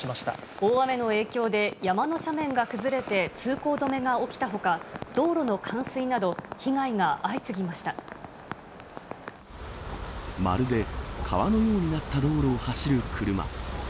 大雨の影響で山の斜面が崩れて通行止めが起きたほか、道路のまるで川のようになった道路を走る車。